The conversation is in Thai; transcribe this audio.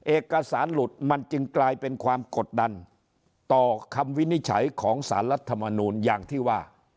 เอกสารหลุดมันจึงกลายเป็นความกดดันต่อคำวินิจฉัยของสารรัฐมนูลอย่างที่ว่า